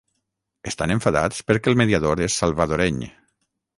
Estan enfadats perquè el mediador és salvadoreny.